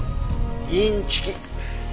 インチキ。